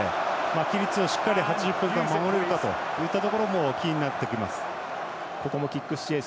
規律をしっかり８０分間守れるかといったところもキーになってきます。